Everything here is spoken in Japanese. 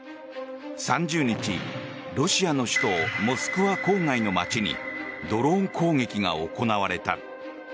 ３０日、ロシアの首都モスクワ郊外の街にドローン攻撃が行われた。